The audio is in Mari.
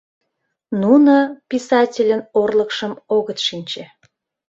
Нуно писательын орлыкшым огыт шинче.